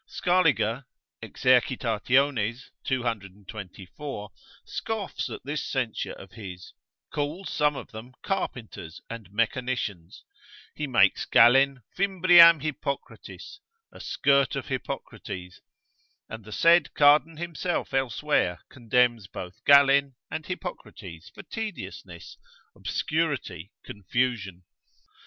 Scaliger exercitat. 224, scoffs at this censure of his, calls some of them carpenters and mechanicians, he makes Galen fimbriam Hippocratis, a skirt of Hippocrates: and the said Cardan himself elsewhere condemns both Galen and Hippocrates for tediousness, obscurity, confusion.